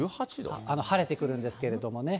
晴れてくるんですけれどもね。